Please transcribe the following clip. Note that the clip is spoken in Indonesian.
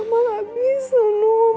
gak bisa nuh